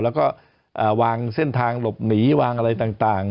แล้วก็วางเส้นทางหลบหนีวางอะไรต่าง